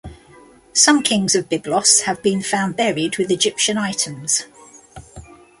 Some kings of Byblos have been found buried with Egyptian items.